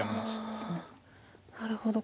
なるほど。